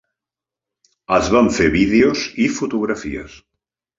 Es van fer vídeos i fotografies.